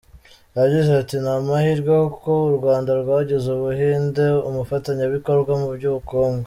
Yagize ati” Ni amahirwe ko u Rwanda rwagize u Buhinde umufatanyabikorwa mu by’ubukungu.